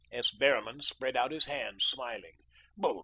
S. Behrman spread out his hands, smiling.